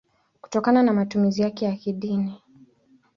kutokana na matumizi yake ya kidini.